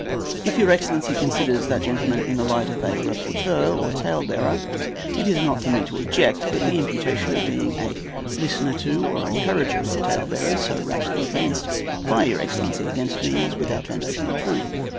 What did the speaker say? If your excellency considers that gentleman in the light of a "rapporteur," or talebearer, it is not for me to object; but the imputation of being a listener to or encourager of talebearers, so rashly advanced by your excellency against me, is without foundation in truth.